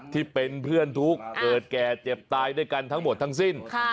ที่เป็นเพื่อนทุกข์เกิดแก่เจ็บตายด้วยกันทั้งหมดทั้งสิ้น